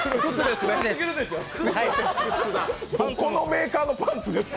どこのメーカーのパンツですか？